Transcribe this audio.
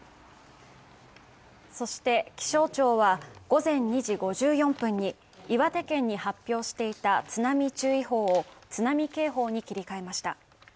そして、気象庁は午前２時５４分に岩手県に発表していた津波注意報を津波警報に切り替えました。